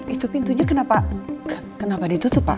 itu pintunya kenapa ditutup pak